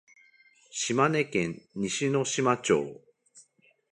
島根県西ノ島町